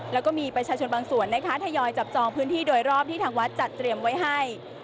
แล้วก็มีประชาชนบางส่วนนะคะทยอยจับจองพื้นที่โดยรอบที่ทางวัดจัดเตรียมไว้ให้